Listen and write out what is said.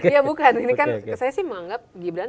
iya bukan ini kan saya sih menganggap gibran